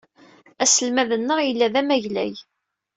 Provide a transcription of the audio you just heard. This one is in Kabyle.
Aselmad-nneɣ yella d amaglay.